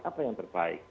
apa yang terbaik